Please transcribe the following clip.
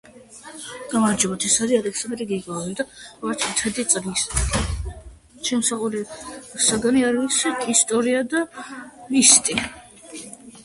საეკლესიო კანონებს პარლამენტი იღებს.